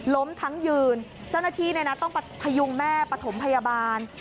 ล้มทั้งยืนเจ้าหน้าที่ต้องพยุงแม่ปฐมพยาบาล